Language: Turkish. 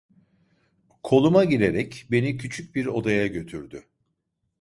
Koluma girerek beni küçük bir odaya götürdü.